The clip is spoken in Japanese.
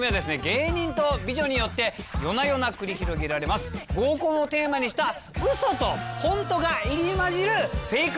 芸人と美女によって夜な夜な繰り広げられます合コンをテーマにした嘘とホントが入り交じるフェイク